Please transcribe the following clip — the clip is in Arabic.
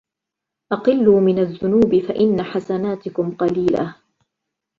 أَقِلُّوا مِنْ الذُّنُوبِ فَإِنَّ حَسَنَاتِكُمْ قَلِيلَةٌ